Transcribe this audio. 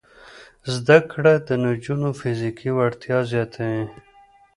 زده کړه د نجونو فزیکي وړتیا زیاتوي.